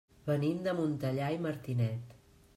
Venim de Montellà i Martinet.